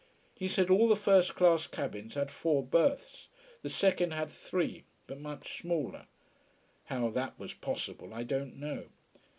He said all the first class cabins had four berths the second had three, but much smaller. How that was possible I don't know.